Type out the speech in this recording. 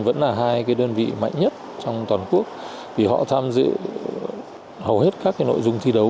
vẫn là hai đơn vị mạnh nhất trong toàn quốc vì họ tham dự hầu hết các nội dung thi đấu